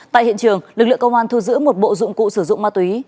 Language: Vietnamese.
tại hiện trường lực lượng công an thu giữ một bộ dụng cụ sử dụng ma túy